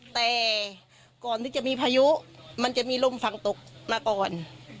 แต่ก่อนที่จะมีพายุมันจะมีลมฝั่งตกมาก่อน